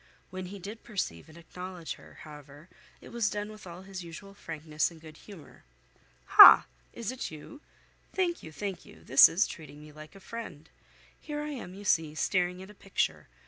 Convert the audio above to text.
When he did perceive and acknowledge her, however, it was done with all his usual frankness and good humour. "Ha! is it you? Thank you, thank you. This is treating me like a friend. Here I am, you see, staring at a picture.